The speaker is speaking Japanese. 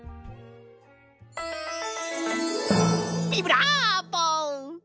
ビブラーボ！